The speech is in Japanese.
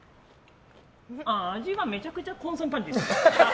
味はめちゃくちゃコンソメパンチです。